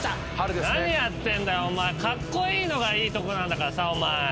何やってんだよお前カッコイイのがいいとこなんだからさ。